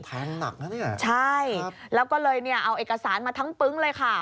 ทางหนักนะเนี่ยครับใช่แล้วก็เลยเอาเอกสารมาทั้งปึ๊งเลยค่ะ